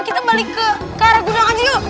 kita balik ke kara gudang aja yuk